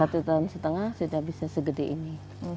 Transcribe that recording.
satu tahun setengah sudah bisa segede ini